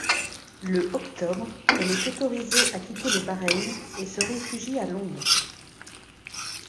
Le octobre, elle est autorisée à quitter le Bahreïn et se réfugie à Londres.